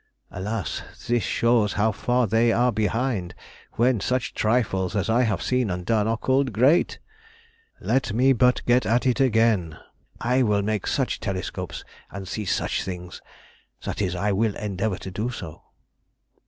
Alas! this shows how far they are behind, when such trifles as I have seen and done are called great. Let me but get at it again! I will make such telescopes, and see such things—that is, I will endeavour to do so.